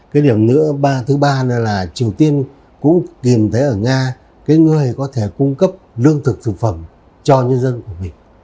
cái điểm thứ ba nữa là triều tiên cũng tìm thấy ở nga cái người có thể cung cấp lương thực thực phẩm cho nhân dân của mình